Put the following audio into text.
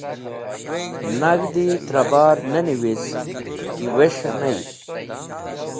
nag̃hdi trẽ bar me niwiz ki wes̃hey mey.